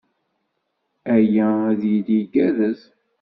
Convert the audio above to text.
Aya ad d-yili igerrrez.